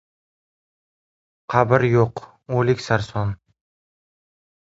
Qabr yo‘q, o‘lik sarson...